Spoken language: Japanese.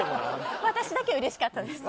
私だけうれしかったです。